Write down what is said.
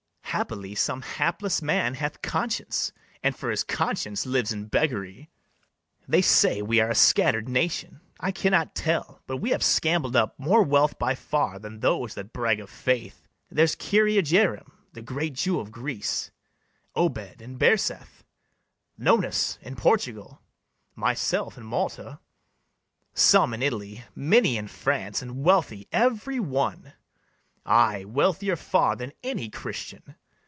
Haply some hapless man hath conscience, And for his conscience lives in beggary. They say we are a scatter'd nation: I cannot tell; but we have scambled up More wealth by far than those that brag of faith: There's Kirriah Jairim, the great Jew of Greece, Obed in Bairseth, Nones in Portugal, Myself in Malta, some in Italy, Many in France, and wealthy every one; Ay, wealthier far than any Christian.